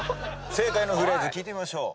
正解のフレーズ聴いてみましょう。